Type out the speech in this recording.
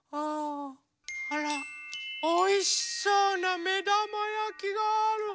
あらおいしそうなめだまやきがある。